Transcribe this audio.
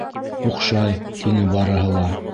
— Оҡшай, — тине барыһы ла.